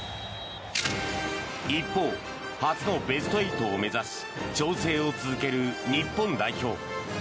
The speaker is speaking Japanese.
一方、初のベスト８を目指し調整を続ける日本代表。